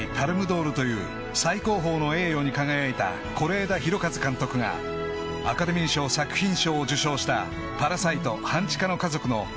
ドールという最高峰の栄誉に輝いた是枝裕和監督がアカデミー賞作品賞を受賞した『パラサイト半地下の家族』の］